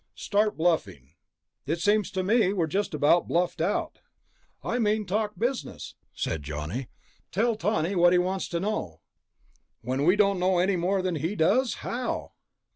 "Start bluffing." "It seems to me we're just about bluffed out." "I mean talk business," Johnny said. "Tell Tawney what he wants to know." "When we don't know any more than he does? How?"